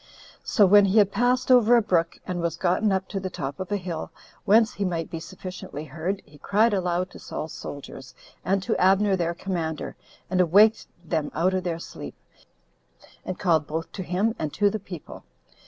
So when he had passed over a brook, and was gotten up to the top of a hill, whence he might be sufficiently heard, he cried aloud to Saul's soldiers, and to Abner their commander, and awaked them out of their sleep, and called both to him and to the people.